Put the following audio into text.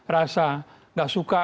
rasa gak suka